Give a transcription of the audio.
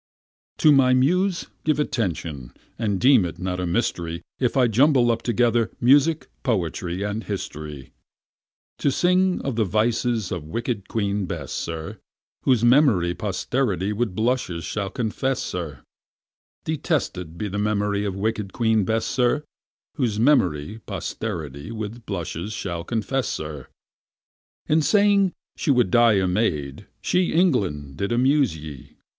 To my Muse give attention, and deem it not a mystery If I jumble up together music, poetry, and history, To sing of the vices of wicked Queen Bess, sir, Whose memory posterity with blushes shall confess, sir, Detested be the memory of wicked Queen Bess, sir, Whose memory posterity with blushes shall confess, sir. In saying she would die a maid, she, England! did amuse ye.